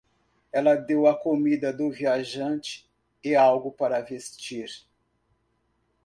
Ela deu a comida do viajante e algo para vestir.